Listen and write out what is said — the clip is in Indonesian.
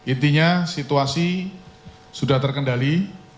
intinya situasi sudah terkendali